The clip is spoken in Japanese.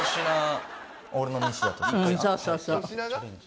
そうそうそう。